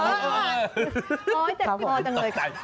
โอ๊ยเจ็บจังเลย